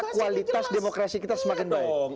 kualitas demokrasi kita semakin baik